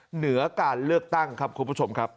เหนือการเลือกตั้งครับคุณผู้ชมครับ